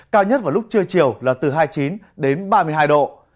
cao nhất vào lúc trưa chiều là từ hai mươi chín đến ba mươi hai độ